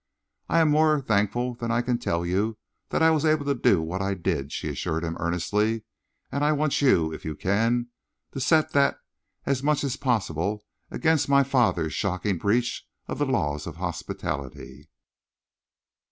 "I am more thankful than I can tell you that I was able to do what I did," she assured him earnestly, "and I want you, if you can, to set that as much as possible against my father's shocking breach of the laws of hospitality.